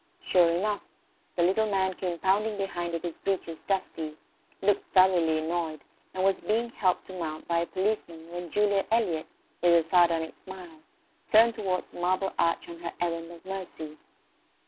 Sure enough the little man came pounding behind with his breeches dusty; looked thoroughly annoyed; and was being helped to mount by a policeman when Julia Eliot, with a sardonic smile, turned towards the Marble Arch on her errand of mercy.